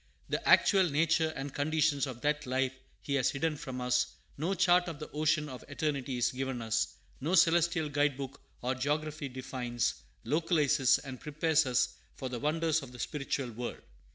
The actual nature and conditions of that life He has hidden from us, no chart of the ocean of eternity is given us, no celestial guidebook or geography defines, localizes, and prepares us for the wonders of the spiritual world.